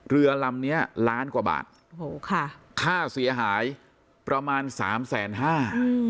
เรือลำเนี้ยล้านกว่าบาทโอ้โหค่ะค่าเสียหายประมาณสามแสนห้าอืม